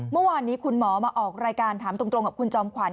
เมื่อวานนี้คุณหมอมาออกรายการถามตรงกับคุณจอมขวัญ